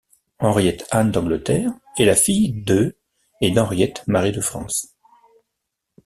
Henriette Anne d'Angleterre est la fille de et d'Henriette Marie de France.